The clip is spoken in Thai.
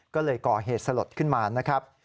ก็เลยก่อเหตุสลดขึ้นมานะครับ